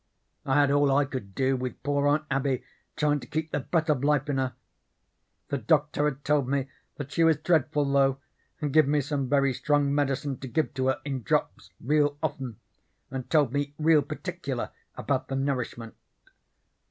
I had all I could do with poor Aunt Abby tryin' to keep the breath of life in her. The doctor had told me that she was dreadful low, and give me some very strong medicine to give to her in drops real often, and told me real particular about the nourishment.